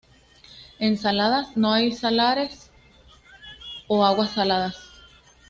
En Saladas no hay salares o aguas saladas.